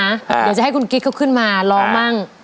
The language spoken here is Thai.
เดี๋ยวจะให้คุณกิ๊กเขาขึ้นมาร้องมั่ง